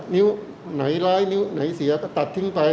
นิ้วไหนร้ายนิ้วไหนเสียก็ตัดทิ้งไป